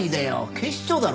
警視庁だろ。